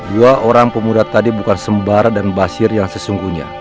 dua orang pemuda tadi bukan sembara dan basir yang sesungguhnya